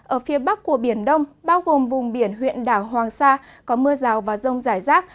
ở phía bắc của biển đông bao gồm vùng biển huyện đảo hoàng sa có mưa rào và rông rải rác